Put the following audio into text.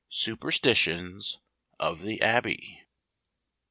SUPERSTITIONS OF THE ABBEY.